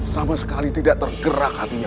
sama sekali tidak tergerak hatinya